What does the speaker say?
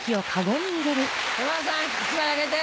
山田さん１枚あげて。